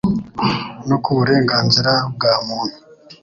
no ku burengarizira bwa muntu.